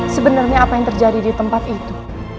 sebenarnya apa yang terjadi di tempat itu